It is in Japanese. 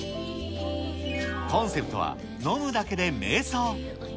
コンセプトは飲むだけでめい想。